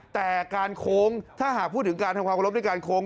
แต่การโค้งถ้าหากพูดถึงการทำความรบด้วยการโค้ง